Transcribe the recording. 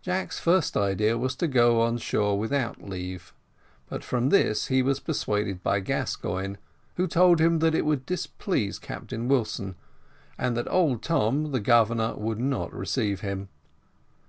Jack's first idea was to go on shore without leave, but from this he was persuaded by Gascoigne, who told him that it would displease Captain Wilson, and that old Tom, the Governor, would not receive him.